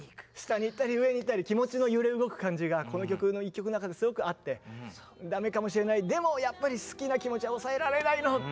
下にいったり上にいったり気持ちの揺れ動く感じがこの曲の一曲の中ですごくあって駄目かもしれないでもやっぱり好きな気持ちは抑えられないの！